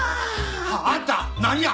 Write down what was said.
あっあんた何や！